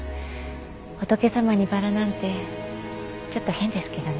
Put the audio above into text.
仏様にバラなんてちょっと変ですけどね。